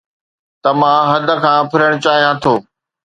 ته مان حد کان ڦرڻ چاهيان ٿو